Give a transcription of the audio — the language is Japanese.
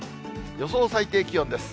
予想最低気温です。